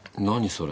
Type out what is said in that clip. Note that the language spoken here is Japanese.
それ。